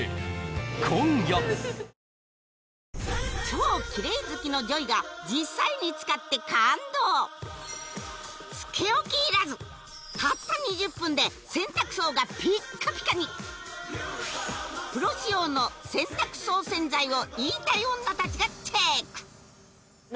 超キレイ好きのＪＯＹが実際に使って感動つけ置きいらずたった２０分で洗濯槽がピッカピカにプロ仕様の洗濯槽洗剤を言いたい女達がチェック